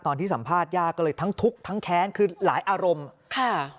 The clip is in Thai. ตอนที่สัมภาษณ์ย่าก็เลยทั้งทุกข์ทั้งแค้นคือหลายอารมณ์ค่ะ